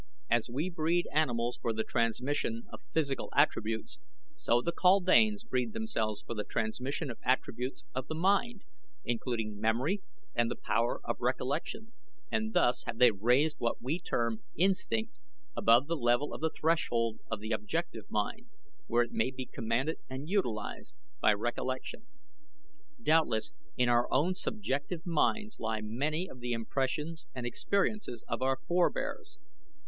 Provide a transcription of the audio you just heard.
As we breed animals for the transmission of physical attributes, so the Kaldanes breed themselves for the transmission of attributes of the mind, including memory and the power of recollection, and thus have they raised what we term instinct, above the level of the threshold of the objective mind where it may be commanded and utilized by recollection. Doubtless in our own subjective minds lie many of the impressions and experiences of our forebears.